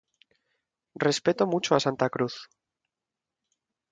Respeto mucho a Santa Cruz.